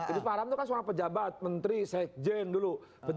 idus marham itu kan seorang pejabat menteri seikjen dulu